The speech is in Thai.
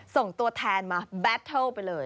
ส่งตัวแทนมาแบตเทิลไปเลย